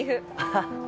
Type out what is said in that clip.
ああ。